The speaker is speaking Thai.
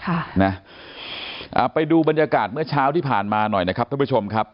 ค่ะนะอ่าไปดูบรรยากาศเมื่อเช้าที่ผ่านมาหน่อยนะครับท่านผู้ชมครับ